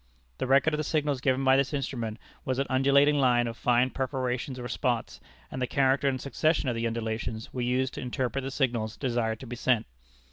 The record of the signals given by this instrument was an undulating line of fine perforations or spots, and the character and succession of the undulations were used to interpret the signals desired to be sent.